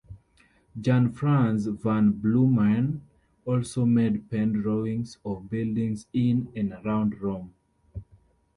Jan Frans van Bloemen also made pen drawings of buildings in and around Rome.